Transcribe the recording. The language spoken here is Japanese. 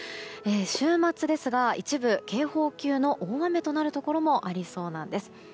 週末ですが、一部警報級の大雨となるところもありそうです。